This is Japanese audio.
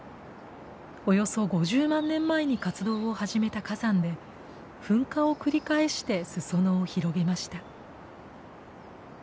およそ５０万年前に活動を始めた火山で噴火を繰り返して裾野を広げました。